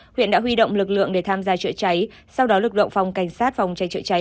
huyện đã huy động lực lượng để tham gia trợ cháy sau đó lực động phòng cảnh sát phòng cháy trợ cháy